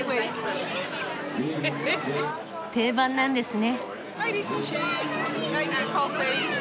定番なんですね。